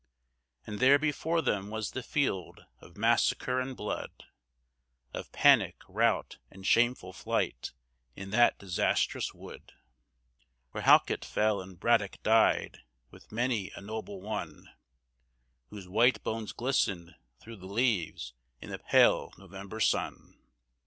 And there before them was the field of massacre and blood, Of panic, rout and shameful flight, in that disastrous wood Where Halket fell and Braddock died, with many a noble one Whose white bones glistened through the leaves i' the pale November sun.